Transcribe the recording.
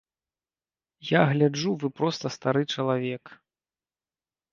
Я гляджу вы проста стары чалавек.